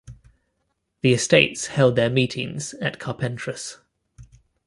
The Estates held their meetings at Carpentras.